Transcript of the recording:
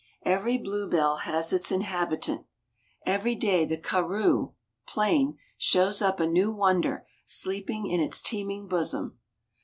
Every bluebell has its inhabitant. Every day the karroo (plain) shows up a new wonder sleeping in its teeming bosom.